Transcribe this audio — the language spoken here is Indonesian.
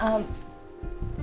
selamat pagi pak nino